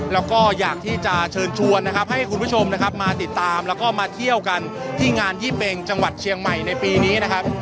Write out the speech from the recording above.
แล้วก็อยากที่จะเชิญชวนนะครับให้คุณผู้ชมนะครับมาติดตามแล้วก็มาเที่ยวกันที่งานยี่เป็งจังหวัดเชียงใหม่ในปีนี้นะครับ